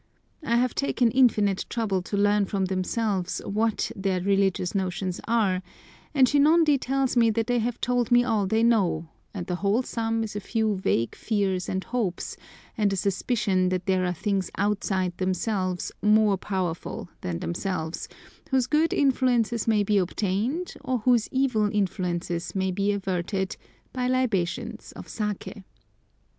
I have taken infinite trouble to learn from themselves what their religious notions are, and Shinondi tells me that they have told me all they know, and the whole sum is a few vague fears and hopes, and a suspicion that there are things outside themselves more powerful than themselves, whose good influences may be obtained, or whose evil influences may be averted, by libations of saké.